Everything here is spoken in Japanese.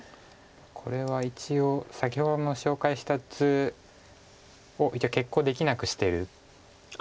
これは一応先ほどの紹介した図を決行できなくしてるということです。